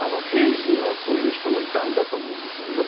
平時にはそういう人もいたんだと思うんですね。